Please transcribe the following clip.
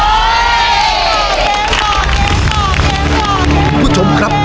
เพื่อนของพี่ผู้ชมครับ